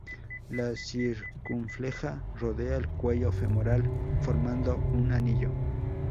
La circunfleja rodea el cuello femoral formando un anillo.